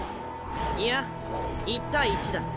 いや１対１だ。